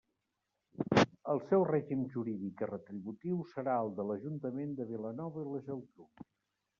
El seu règim jurídic i retributiu serà el de l'Ajuntament de Vilanova i la Geltrú.